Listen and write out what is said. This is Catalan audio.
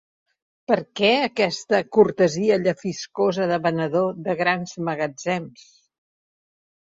Per què aquesta cortesia llefiscosa de venedor de grans magatzems?